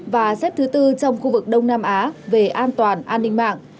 và xếp thứ tư trong khu vực đông nam á về an toàn an ninh mạng